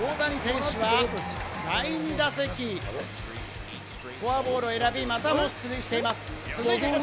さらに、大谷選手は第２打席、フォアボールを選び、またも出塁しています。